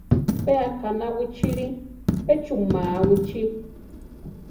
Pe aʼkaná wichíli, pe chuʼmáa wichí.